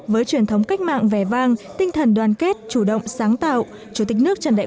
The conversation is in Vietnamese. với truyền thống cách mạng vẻ vang tinh thần đoàn kết chủ động sáng tạo chủ tịch nước trần đại